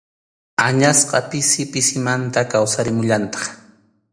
Añasqa pisi pisimanta kawsarimullantaq.